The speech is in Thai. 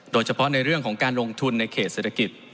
โดยเฉพาะในเรื่องของการลงทุนในเขตเศรษฐกิจ